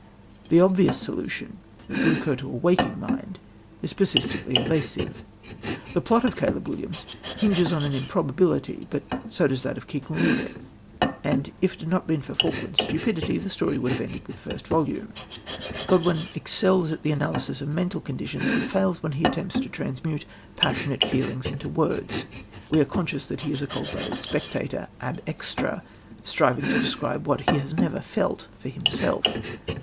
The obvious solution that would occur to a waking mind is persistently evasive. The plot of Caleb Williams hinges on an improbability, but so does that of King Lear; and if it had not been for Falkland's stupidity, the story would have ended with the first volume. Godwin excels in the analysis of mental conditions, but fails when he attempts to transmute passionate feeling into words. We are conscious that he is a cold blooded spectator ab extra striving to describe what he has never felt for himself.